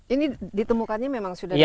ini ditemukannya memang sudah dalam keadaan rusak